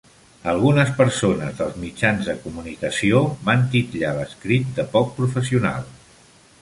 Algunes persones dels mitjans de comunicació van titllar l'escrit de poc professional.